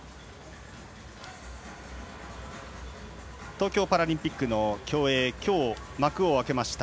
東京パラリンピックの競泳は今日、幕を開けました。